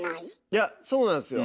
いやそうなんすよ。